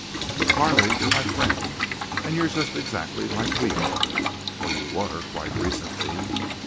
"But, Carley, you're my friend and you're just exactly like we are. Or you were, quite recently."